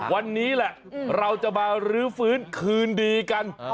วันนี้แหละเราจะมารื้อฟื้นคืนดีกัน